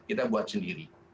kita buat sendiri